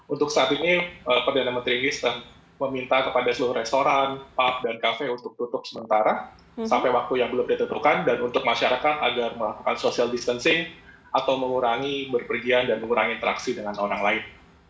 untuk saat ini perdana menteri inggris meminta kepada seluruh restoran pup dan kafe untuk tutup sementara sampai waktu yang belum ditentukan dan untuk masyarakat agar melakukan social distancing atau mengurangi berpergian dan mengurangi interaksi dengan orang lain